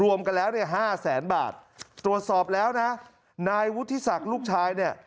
รวมกันแล้วเนี่ยห้าแสนบาทตรวจสอบแล้วนะนายวุฒิศักดิ์ลูกชายเนี่ย